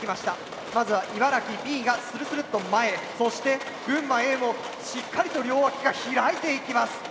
まずは茨城Ｂがするするっと前へそして群馬Ａもしっかりと両脇が開いていきます。